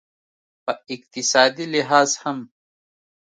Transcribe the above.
په اقتصادي لحاظ هم